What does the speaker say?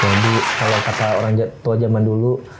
jadi kalau kata orang tua zaman dulu